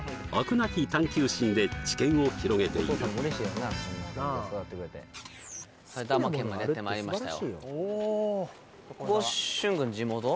なき探究心で知見を広げている埼玉県までやって参りましたよ